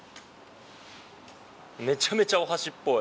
めちゃめちゃお箸っぽい。